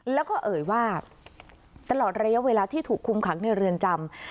แล้วก็เอ่ยว่าตลอดระยะเวลาที่ถูกคุมขังในเรือนจำ